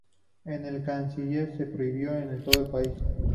El el canciller la prohibió en todo el país.